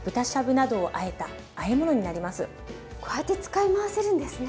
こうやって使い回せるんですね。